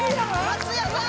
松也さん？